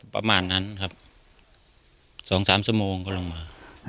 ประมาณนั้นครับ๒๓ชั่วโมงก็ลงมา